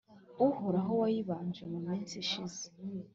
Uhoraho wayibabaje mumins ishize